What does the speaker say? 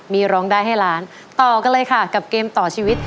มีร้องได้ให้ล้านต่อกันเลยค่ะกับเกมต่อชีวิต